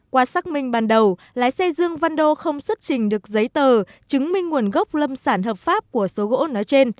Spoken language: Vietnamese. qua xác minh ban đầu lái xe dương văn đô không xuất trình được giấy tờ chứng minh nguồn gốc lâm sản hợp pháp của số gỗ nói trên